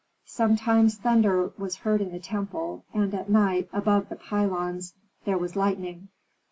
Sometimes thunder was heard in the temple, and at night, above the pylons, there was lightning.